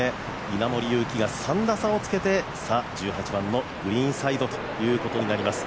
稲森佑貴が３打差をつけて１８番のグリーンサイドとなります。